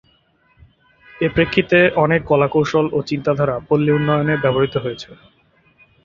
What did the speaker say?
এ প্রেক্ষিতে অনেক কলা-কৌশল ও চিন্তাধারা পল্লী উন্নয়নে ব্যবহৃত হয়েছে।